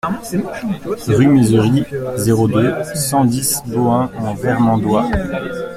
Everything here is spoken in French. Rue Misery, zéro deux, cent dix Bohain-en-Vermandois